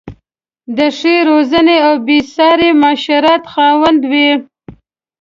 د ښې روزنې او بې ساري معاشرت خاوند وې.